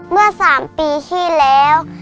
เมื่อ๓ปีที่แล้ว